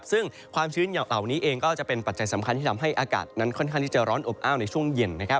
ซึ่งความชื้นเหล่านี้เองก็จะเป็นปัจจัยสำคัญที่ทำให้อากาศนั้นค่อนข้างที่จะร้อนอบอ้าวในช่วงเย็น